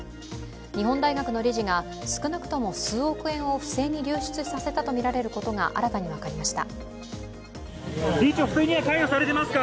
日本大学の理事が少なくとも数億円を不正に流出させたとみられることが新たに分かりました。